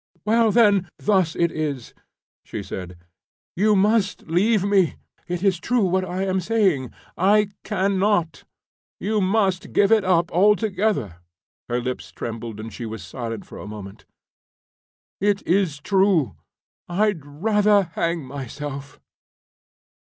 "Well, then, thus it is," she said. "You must leave me. It is true what I am saying. I cannot. You just give it up altogether." Her lips trembled and she was silent for a moment. "It is true. I'd rather hang myself."